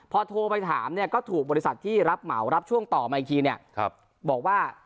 พอโทรไปถามเนี่ยก็ถูกบริษัทที่รับเหมารับช่วงต่อมาอีกทีเนี่ยบอกว่า